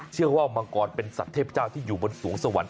มังกรเป็นสัตว์เทพเจ้าที่อยู่บนสวงสวรรค